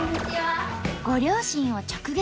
ご両親を直撃。